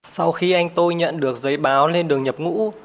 sau khi anh tôi nhận được giấy báo lên đường nhập ngũ